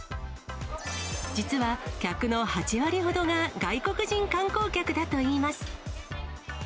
実は、客の８割ほどが外国人観光客だといいます。